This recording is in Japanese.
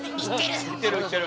言ってる！